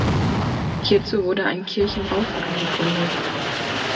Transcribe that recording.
Hierzu wurde ein Kirchenbauverein gegründet.